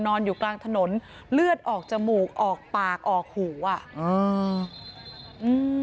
นอนอยู่กลางถนนเลือดออกจมูกออกปากออกหูอ่ะอืม